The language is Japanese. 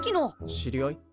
知り合い？